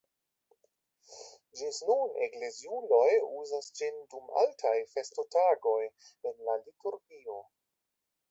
Ĝis nun ekleziuloj uzas ĝin dum altaj festotagoj en la liturgio.